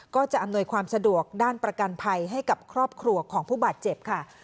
จะอำนวยความสะดวกด้านประกันภัยให้กับครอบครัวของผู้บาดเจ็บค่ะ